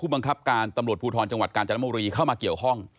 บังคับการตำรวจภูทรจังหวัดกาญจนบุรีเข้ามาเกี่ยวข้อง